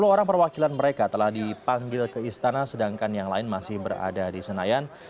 sepuluh orang perwakilan mereka telah dipanggil ke istana sedangkan yang lain masih berada di senayan